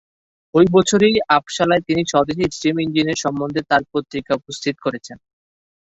ওই বছরই আপসালায় তিনি স্বদেশী স্টিম ইঞ্জিনের সম্বন্ধে তার পত্রিকা উপস্থিত করেন।